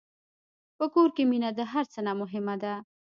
په کور کې مینه د هر څه نه مهمه ده.